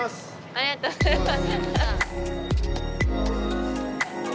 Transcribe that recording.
ありがとうございます。